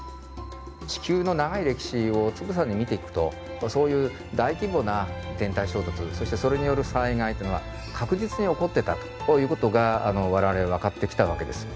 地球の長い歴史をつぶさに見ていくとそういう大規模な天体衝突そしてそれによる災害というのは確実に起こってたということが我々分かってきたわけです。